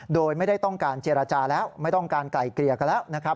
โดยไม่ได้ต้องการเจรจาแล้วไม่ต้องการไกลเกลี่ยกันแล้วนะครับ